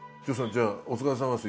じゃあお疲れさまです